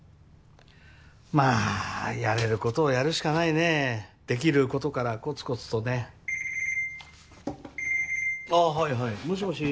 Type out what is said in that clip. まあやれることをやるしかないねできることからコツコツとねああはいはいもしもし？